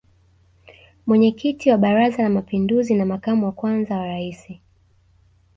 Mwenyekiti wa Baraza la mapinduzi na makamu wa kwanza wa Rais